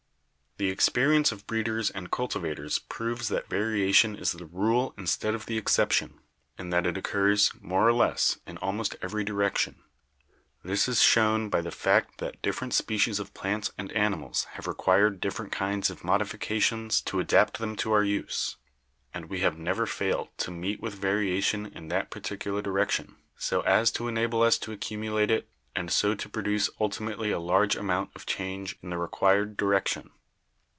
"The experience of breeders and cultivators proves that variation is the rule instead of the exception, and that it occurs, more or less, in almost every direction. This is shown by the fact that different species of plants and ani mals have required different kinds of modifications to adapt them to our use, and we have never failed to meet with variation in that particular direction, so as to enable us to accumulate it and so to produce ultimately a large amount of change in the required direction.